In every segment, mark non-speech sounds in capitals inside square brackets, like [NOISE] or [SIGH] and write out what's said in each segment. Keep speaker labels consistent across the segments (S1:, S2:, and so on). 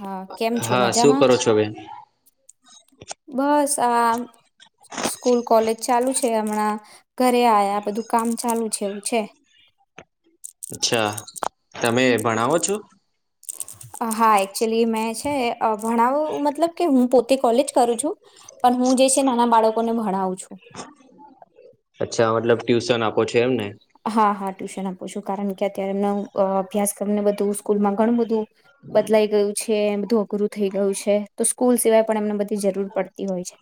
S1: હા કેમ છો
S2: હા શું
S1: મજામાં
S2: કરો છો બેન
S1: બસ આ સ્કૂલ કોલેજ ચાલુ છે હમણાં ઘરે આવયા બધું કામ ચાલુ છે એવું છે
S2: અચ્છા તમે ભણાવો છો
S1: હા એકચુલી મેં છે ભણાવ મતલબ કે હું પોતે કોલેજ કરું છું પણ હું જે છે નાના બાળકોને ભણાવું છું
S2: અચ્છા મતલબ ટ્યુશન આપો છો એમને
S1: હા હા ટ્યુશન આપું છું કારણ કે અત્યારે એમનો અભ્યાસક્ર ને બધું સ્કૂલમાં ઘણું બધું બદલાઈ ગયું છે એ બધું અઘરું થઈ ગયું છે તો સ્કૂલ સિવાય પણ એમને બધી જરૂર પડતી હોય છે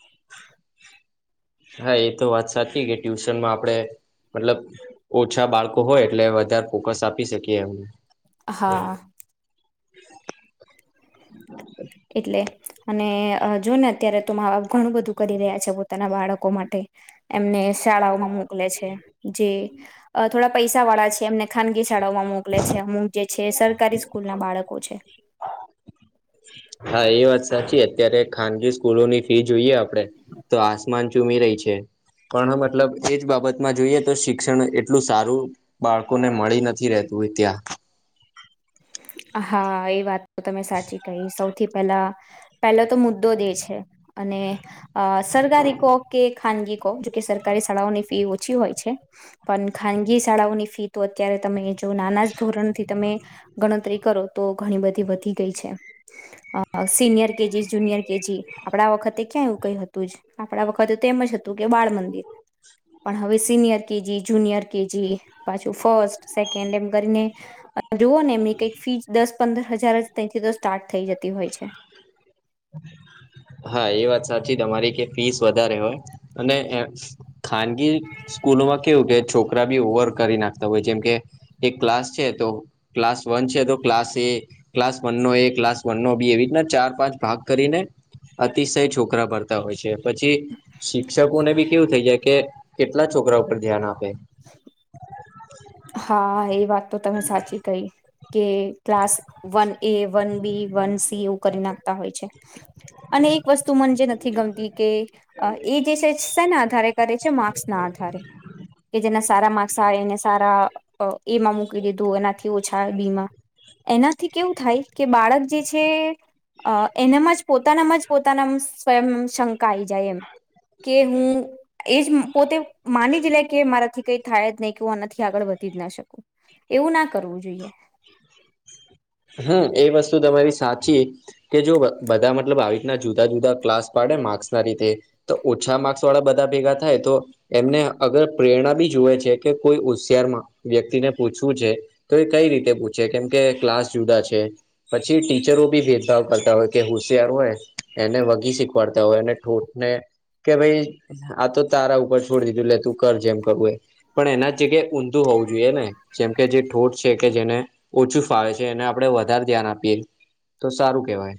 S2: હા એ તો વાત સાચી કે ટ્યુશનમાં આપડે મતલબ ઓછા બાળકો હોય એટલે વધારે ફોકસ આપી શકીએ એમને
S1: હા
S2: હ
S1: એટલે અને જો ને અત્યારે તો મા બાપ ઘણું બધું કરી રહ્યા છે પોતાના બાળકો માટે એમને શાળાઓમાં મોકલે છે જે થોડા પૈસા વાળા છે એમને ખાનગી શાળાઓમાં મોકલે છે અમુક જે છે સરકારી સ્કૂલ ના બાળકો છે
S2: હા એ વાત સાચી અત્યારે ખાનગી સ્કૂલોની ફી જોઈએ આપડે તો આસમાન ચૂમી રહી છે. પણ મતલબ એજ બાબતમાં જોઈએ તો શિક્ષણ એટલું સારું. બાળકો ને મળી નથી રહેતું હોય ત્યાં.
S1: હા એ વાત તો તમે સાચી કહી સૌ. થી પેલા પહેલો તો મુદ્દો દેશ છે અને સરકારી કો. કે ખાનગી કો જોકે સરકારી શાળાઓની ફી ઓછી હોય છે. પણ ખાનગી શાળાઓની ફી તો અત્યારે તમે જો નાના જ ધોરણથી તમે તરી કરો તો ઘણી બધી વધી ગઈ છે. અ સિનિયર કેજી જુનિયર કેજી આપડા આ વખતે ક્યાં એવું કઈ હતું જ. આપણા વખતે તેમજ હતું કે બાળ મંદિર પણ હવે સિનિયર કેજી જુનિયર કેજી પાછું ફસ્ટ સેકન્ડ એમ કરીને ને એમની કઈક ફી દસ પંદર હજાર તેથી તો સ્ટાર્ટ થઈ જતી હોય છે.
S2: હા એ વાત સાચી તમારી કે ફીસ વધારે હોય અને ખાનગી સ્કૂલોમાં કેવું કે છોકરા બી ઓવર કરી નાખતા હોય જેમ કે એક ક્લાસ છે તો ક્લાસ વન છે તો ક્લાસ એ ક્લાસ વન નો એ ક્લાસ વન નો બી એવી રીતના ચાર પાંચ ભાગ કરીને અતિશય છોકરા ભરતા હોય છે પછી શિક્ષકોને બી કેવું થઈ જાય કે કેટલા છોકરાઓ પર ધ્યાન આપે.
S1: હા એ વાત તો તમે સાચી કઈ. કે class one A one B one C એવું કરી નાખતા હોય છે. અને એક વસ્તુ મને જે નથી ગમતી કે એ જે છે સેના આધારે કરે છે માક્સ ના આધારે કે જેના સારા માક્સ આવે એને. સારા અ એમાં મૂકી દીધું એનાથી ઓછા બી માં. એનાથી કેવું થાય કે બાળક જે છે. અ એનામાં જ પોતાનામાં જ પોતાના સ્વયં શંક આઇ જાય એમ. કે હું એજ પોતે માની જ લે કે મારાથી કઈ થાય જ નહી કેવા નથી. કે આગળ વધી જ ના શકું એવું ના કરવું જોઈએ.
S2: હમ એ વસ્તુ તમારી સાચી. કે જો બ બધા મતલબ આવી રીતના જુદા જુદા ક્લાસ પાડે માર્ક્સ ના લીઘે. તો ઓછા માર્ક્સ વાળા બધા ભેગા થાય તો એમને અગર પ્રેરણા બી જોુવે છે કે કોઈ હોશિયારમાં વ્યક્તિને પૂછવું છે. તો એ કઈ રીતે પૂછે કેમ કે ક્લાસ જુદા છે. પછી ટીચરો બી ભેદભાવ કરતા હોય કે હોશિયાર હોય એને વઘી શીખવાડતા હોય અને ઠોઠ ને કે ભાઈ આ તો તારા ઉપર છોડી દીધું લે તું કર જેમ કરું એમ. પણ એના જગ્યાએ ઊંધું હોવું જોઈએ ને જેમ કે જે ઠોઠ છે કે જેને ઓછું ફાવે છે. જે એને આપડે વધારે ધ્યાન આપીએ તો સારું કેવાય.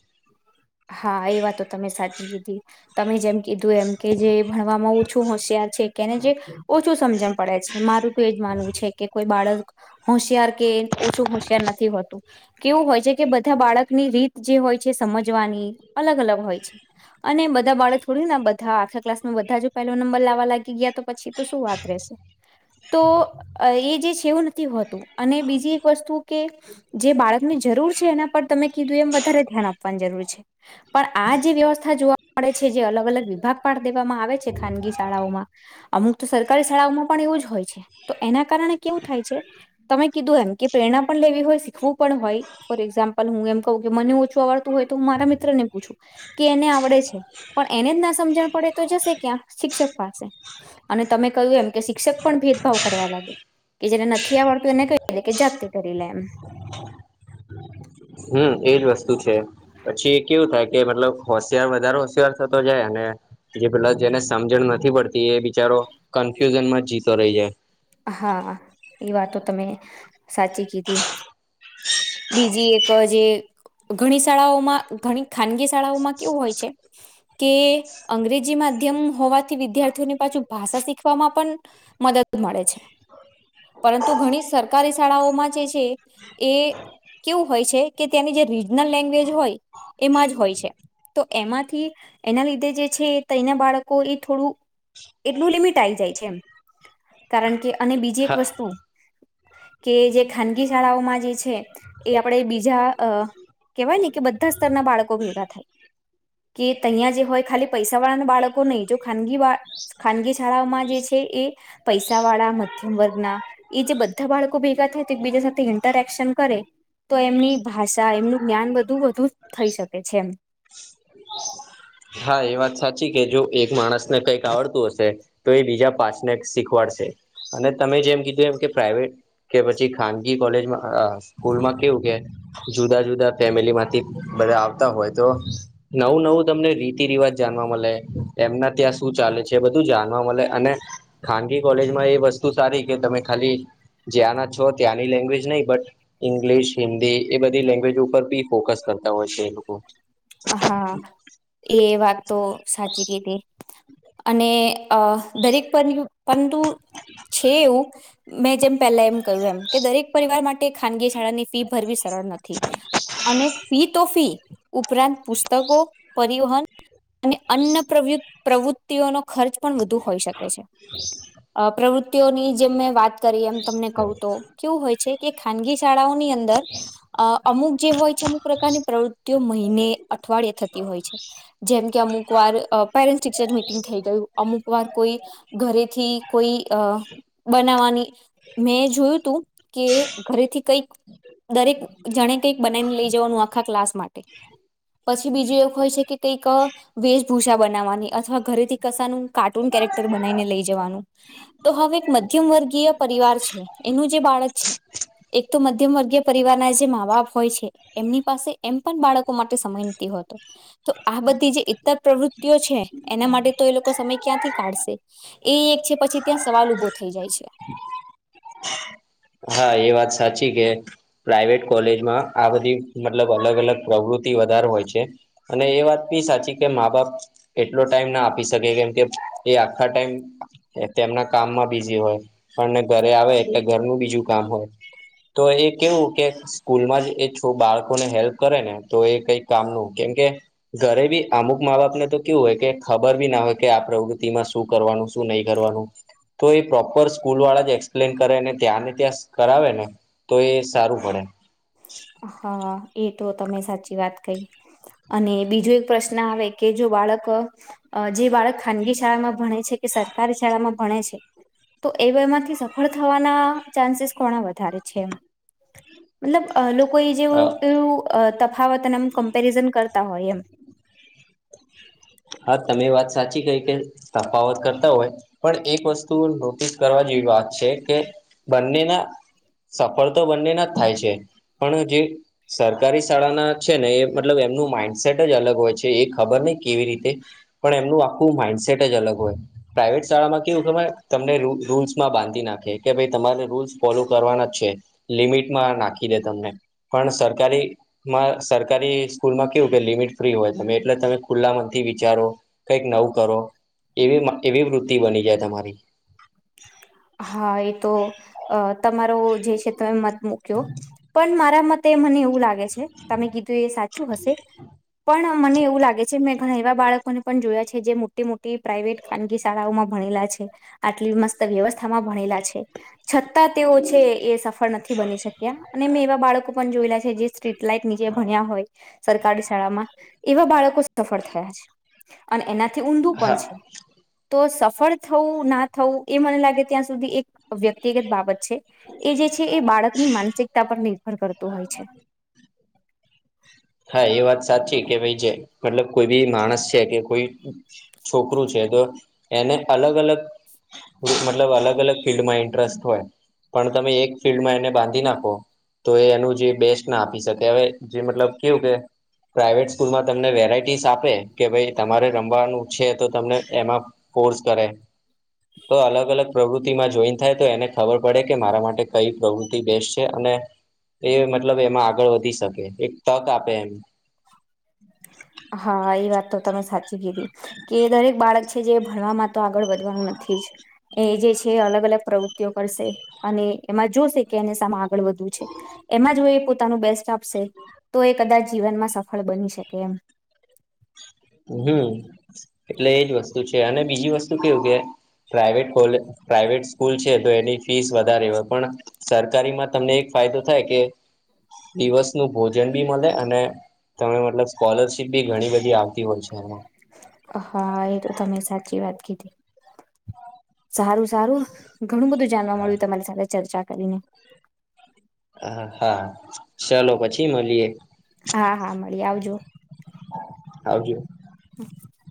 S1: હા એ વાતો તમે સાચી કીધી. તમે જેમ કીધું એમ કે જે ભણવામાં ઓછું હોશિયાર છે. કેને જે ઓછું સમજણ પડે છે મારું તો એજ માનવું છે કે કોઈ બાળક હોશિયાર કે ઓછું હોશિયાર નથી હોતું કેવું હોય છે કે બધા બાળકની રીત જે હોય છે સમજવાની અલગ અલગ હોય છે. અને બધા બાળક થોડી ના બધા આખા ક્લાસમાં બધા જ પહેલો નંબર લાવવા લાગી ગયા તો પછી તો શું વાત રહેેશે તો એ જે છે એવું નથી હોતું અને બીજી એક વસ્તુ કે જે બાળકની જરૂર છે એના પર તમે કીધું એમ વધારે ધ્યાન આપવું પણ જરૂરી છે. પણ આ જે વ્યવસ્થા જોવા મળે છે જે અલગ અલગ વિભાગ પાળ દેવામાં આવે છે ખાનગી શાળાઓમાં અમુક તો સરકારી શાળાઓમાં પણ એવું જ હોય છે. તો એના કારણે કેવું થાય છે તમે કીધું એમ કે પ્રેરણા પણ લેવી હોય શીખવું પણ હોય ફોર એક્ઝામ્પલ હું એમ કહું કે મને ઓછું આવડતું હોય તો હું મારા મિત્ર ને પૂછું કે એને આવડે છે પણ એને જ ના સમજણ પડે તો જશે ક્યાં શિક્ષક પાસે અને તમે કહ્યું એમ કે શિક્ષક પણ ભેદભાવ કરવા લાગે કે જેને નથી આવડતું એને કહી લે કે જાતી કરી લે એમ
S2: હમ એજ વસ્તુ છે પછી કેવું થાય કે મતલબ હોશિયાર વધારે હોશિયાર થતો જાય ને જે પેલા જેને સમજણ નથી પડતી એ બિચારો કન્ફ્યુઝન માં જીતો રહી જાય.
S1: હા એ વાતો તમે સાચી કીધી બીજી એક જે ઘણી શાળાઓમાં ઘણી ખાનગી શાળાઓમાં કેવું હોય છે. કે અંગ્રેજી માધ્યમ હોવાથી વિદ્યાર્થીઓને પાછુ ભાષા શીખવામાં પણ મદદ મળે છે.
S2: [UNINTELLIGIBLE]
S1: પરંતુ ઘણી સરકારી શાળાઓમાં જે છે એ કેવું હોય છે, કે ત્યાંની જે રીજનલ લેંગ્વેજ હોય, એમાં જ હોય છે. તો એમાંથી એના લીધે જે છે તના બાળકો એ થોડું એટલું લિમિટ આઈ જાય છે એમ કારણ કે અને બીજી એક
S2: જાય.
S1: વસ્તુ કે જે ખાનગી શાળાઓમાં જે છે એ આપણે બીજા અ કેવાય ને કે બધા સ્તરના બાળકો ભેગા થાય કે તહીંયા જે હોય ખાલી પૈસા વાળાના બાળકો નહીં જો ખાનગી બા ખાનગી શાળાઓમાં જે છે એ પૈસા સા વાળા મધ્યમ વર્ગના એ જે બધા બાળકો ભેગા થાય તો એકબીજા સાથે ઇન્ટરેક્શન કરે તો એમની ભાષા એમનું જ્ઞાન બધું વધુ થઈ શકે છે એમ
S2: હા એ વાત સાચી કે જો એક માણસને કંઈક આવડતું હશે તો એ બીજા પાછને શીખવાડશે અને તમે જેમ કીધું એમ કે પ્રાઈવેટ કે પછી ખાનગી કોલેજમાં સ્કૂલમાં કેવું કે જુદા જુદા ફેમિલી માંથી બધા આવતા હોય તો નવું નવું તમને ર તી રિવાજ જાણવા મળે, એમના ત્યાં શું ચાલે છે બધું જાણવા મળે, અને ખાનગી કોલેજમાં એ વસ્તુ સારી કે તમે ખાલી જ્યાંના છો ત્યાંની લેંગ્વેજ નહી બટ ઈંગ્લિશ હિન્દી એ બધી લેંગ્વેજ ઉપર બી ફોકસ કરતા હોય છે એ લોકો
S1: હા એ વાત તો સાચી કીધી અને અ દરેક પરું છે પન્ટુ છે એવું મેં જેમ પહેલા એમ કહ્યું એમ કે દરેક પરિવાર માટે ખાનગી શાળાની ફી ભરવી સરળ નથી. અને ફી તો ફી ઉપરાંત પુસ્તકો, પરિવહન અને અન્ન પ્રવૃ પ્રવૃત્તિઓનો ખર્ચ પણ વધુ હોઈ શકે છે પ્રવૃત્તિઓની જેમ મેં વાત કરી એમ તમને કહું તો કેવું હોય છે કે ખાનગી શાળાઓની અંદર અમુક જે હોય છે અમુક પ્રકારની પ્રવૃતિઓ ને અઠવાડયે થતી હોય છે. જેમ કે અમુક વાર પેરેન્ટ્સ ટીચર મિટિંગ થઈ ગયું અમુક વાર કોઈ ઘરેથી કોઈ અ બનાવાની મેં જોયું તું કે ઘરેથી કઈક દરેક જણે કંઈક બનાવીને લઈ જવાનું આખા ક્લાસ માટે પછી બીજું એવુ હોય છે કે કઈક વેેશભૂષા બનાવવાની અથવા ઘરેથી કસાાનું કાર્ટૂન કેરેક્ટર બનાવીને લઈ જવાનું. તો હવે એક મધ્યમ વર્ગીય પરિવાર છે એનું જે બાળક છે એક તો મધ્યમ વર્ગીય પરિવાર ના જે મા બાપ હોય છે એમની પાસે એમ પણ બાળક લોકો માટે સમય નથી હોતો. તો આ બધી જે ઈતર પ્રવૃત્તિઓ છે એના માટે તો એ લોકો સમય ક્યાંથી કાઢશે. એ એક છે પછી ત્યાં સવાલ ઉભો થઈ જાય છે.
S2: હા એ વાત સાચી કે પ્રાઇવેટ કોલેજમાં આ બધી મતલબ અલગ અલગ પ્રવૃત્તિ વધારે હોય છે. અને એ વાત બી સાચી કે મા બાપ એટલો ટાઈમ ના આપી શકે કેમ કે એ આખા ટાઈમ એ તેમના કામમાં બીઝી હોય પણને ઘરે આવે એટલે ઘરનું બીજું કામ હોય. તો એ કેવું કે સ્કૂલમાં જ એ બાળકોને હેલ્પ કરેને તો એ કઈ કામ ન કેમકે ઘરે બી અમુક મા બાપને તો કેવું હોય કે ખબર બી ના હોય કે આ પ્રવૃતિમાં શું કરવાનું શું નહીં કરવાનું તો એ પ્રોપર સ્કૂલ વાળા જ એક્સપ્લેન કરે ને ત્યાંને ત્યાં કરાવે ને તો એ સારું પડે.
S1: હા એ તો તમે સાચી વાત કહી. અને બીજો એક પ્રશ્ન આવે કે જો બાળક અ જે બાળક ખાનગી શાળામાં ભણે છે કે સરકારી શાળામાં ભણે છે તો એ વમાંથી સફળ થવાના ચાન્સીસ કોણા વધારે છે એમ. મતલબ લોકો એ જેવ કેવું તફાવત અને એમ કમ્પેરિઝન કરતા હોય એમ.
S2: હા તમે વાત સાચી કઈ કે તફાવત કરતા હોય પણ એક વસ્તુ નોટિસ કરવા જેવી વાત છે કે બંનેના સફળ તો બંનેના જ થાય છે પણ જે સરકારી શાળાના છે ને એ મતલબ એમનું માઈન્ડસેટ જ અલગ હોય છે એ ખબર નહિ કેવી રીતે એ પણ એમનું આખું માઇન્ડસેટ જ અલગ હોય. પ્રાઈવેટ શાળામાં કેવું કે તમને રૂલ્સમાં બાંધી નાખે કે ભાઈ તમારે રૂલ્સ ફોલો કરવાના છે. લિમિટમાં નાખી દે તમને પણ સરકારી સરકારી સ્કૂલ માં કેવું કે લિમિટ ફ્રી હોય તમે એટલે તમે ખુલ્લા મ તે વિચારો કઈક નવ કરો એવી એવી વૃતિ બની જાય તમારી
S1: હા એ તો તમારો જે છે તન મત મુૂક્યો પણ મારા મતે મને એવું લાગે છે તમે કીધું એ સાચું હશે પણ મને એવું લાગે છે મેં ઘણા એવા બાળકોને પણ જોયા છે જે તે મોટી મોટી પ્રાઇવેટ ખાનગી શાળાઓમાં ભણેલા છે આટલી મસ્ત વ્યવસ્થા થમા ભણેલા છે છતાં તેઓ છે એ સફળ નથી બની શક્યા અને મેં એવા બાળકો પણ જોયેલા છે જે સ્ટ્રીટ લાઈટ નીચે ભણ્યા હોય સરકારી શાળામાં એવા બાળકો સફળ થયા છે. અને એનાથી ઊંદું
S2: હા
S1: પણ છે તો સફળ થવું ના થવું એ મને લાગે ત્યાં સુધી એક વ્યક્તિગત બાબત છે એ જે છે એ બાળકની માનસિકતા પર નિર્ભર કરતું હોય છે.
S2: [INAUDIBLE] હા એ વાત સાચી કે ભાઈ જે મતલબ કોઈ બી માણસ છે કે કોઈ છોકરો છે તો એને અલગ અલગ મતલબ અલગ અલગ ફિલ્ડ માં ઇન્ટરેસ્ટ હોય. પણ તમે એક ફિલ્ડમાં એને બાંધી નાખો તો એ એનું જે બેસ્ટ ના આપી શકે હવે જે મતલબ કેવું કે પ્રાાઈવેટ સ્કૂલમાં તમને વેરાઈટીસ આપે કે ભાઈ તમારે રમવાનું છે તો તમને એમાં કોર્સ કરે તો અલગ અલગ પ્રવૃતિમાં જોઈન થાય તો એને ખબર પડે કે મારા માટે કઈ પ્રવૃતિ બેસ્ટ છે અને એ મતલબ એમાં આગળ વધી શકે એક તક આપે એમ
S1: હા એ વાત તો તમે સાચી કીધી કે દરેક બાળક છે જે ભણવા માટે આગળ વધવાનું નથી જ એ જે કે અલગ અલગ પ્રવૃત્તિઓ કરશે અને એમાં જોશે કે એને સામે આગળ વધવુ છે. એમાં જો એ પોતાનું બેસ્ટ આપશે તો એ કદાચ જીવનમાં સફળ બની શકે એમ
S2: હમ એટલે એજ વસ્તુ છે અને બીજી વસ્તુ કેવું કે પ્રાાઈવેટ કોલે પ્રાાઈવેટ સ્કૂલ છે તો એની ફીસ વધારે હોય પણ સરકારી માં તમને એક ફાયદો થાય કે દિવસ નું ભોજન બી મળે અને તમે મતલબ સ્કોલરશીપ બી ઘણી બધી આવતી હોય છે એમાં
S1: હા એ તો તમે સાચી વાત કીધી. સારું સારું ઘણું બધું જાણવા મળ્યું તમારી સાથે ચર્ચા કરીને
S2: હ હા ચાલો પછી મળીએ.
S1: હા હા મળી આવજો
S2: આવા જો.
S1: [INAUDIBLE]